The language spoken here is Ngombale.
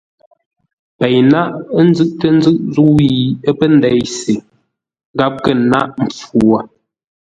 Pei náʼ, ə́ nzʉ́ʼtə́ ńzúʼ zə̂u yi ə́ pə́ ndei se!” Gháp kə̂ nâʼ mpfu wo.